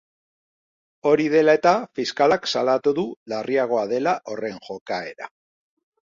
Hori dela eta, fiskalak salatu du larriagoa dela horren jokaera.